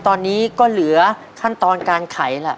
ตอนนี้ก็เหลือขั้นตอนการไขล่ะ